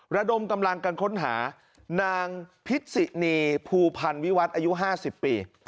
ระดมกำลังกันค้นหานางพิษินีภูพันธ์วิวัตรอายุ๕๐ปี